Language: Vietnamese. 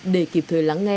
để kịp thời lắng nghe